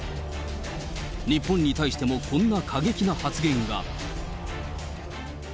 日本に対してもこんな過激な発言が。